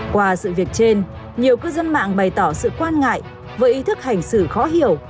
qua sự việc trên nhiều cư dân mạng bày tỏ sự quan ngại với ý thức hành xử khó hiểu